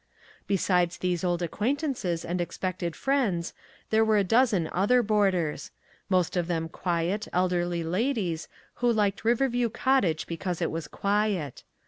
Besides these 195 MAG AND MARGARET old acquaintances and expected friends, there were a dozen other boarders; most of them quiet, elderly ladies, who liked Riverview Cot tage because it was quiet.